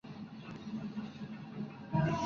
Perteneciente a su gira de regreso.